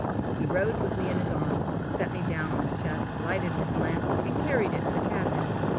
He rose with me in his arms, set me down on the chest, lighted his lamp, and carried it to the cabinet.